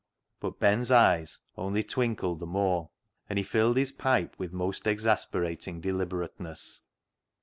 But Ben's eyes only twinkled the more, and he filled his pipe with most exasperating deliberateness.